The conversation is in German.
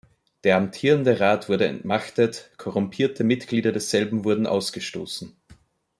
Der amtierende Rat wurde entmachtet, korrumpierte Mitglieder desselben wurden ausgestoßen.